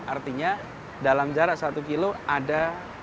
artinya dalam jarak satu kilo ada